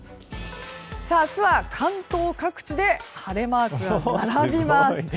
明日は関東各地で晴れマークが並びます。